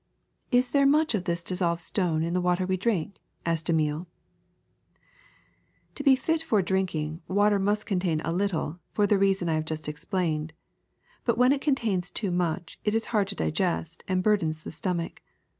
'^ ^*Is there much of this dissolved stone in the water we drink r^ asked Emile. *^To be fit for drinking, water must contain a lit tle, for the reason I have just explained ; but when it contains too much it is hard to digest and burdens the stomach.